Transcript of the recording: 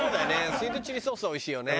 スイートチリソースはおいしいよね。